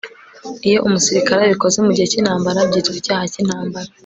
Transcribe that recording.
iyo umusirikare abikoze mu gihe cy'intambara byitwa icyaha cy'intambara